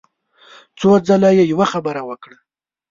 څو ځله يې يوه خبره وکړه.